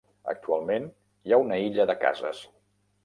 Actualment hi ha una illa de cases.